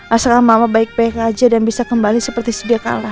asalkan mama baik baik aja dan bisa kembali seperti sedia kalah